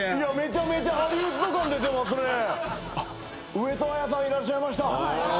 上戸彩さんいらっしゃいました。